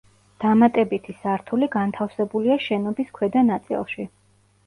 დამატებითი სართული განთავსებულია შენობის ქვედა ნაწილში.